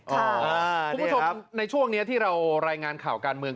คุณผู้ชมในช่วงนี้ที่เรารายงานข่าวการเมือง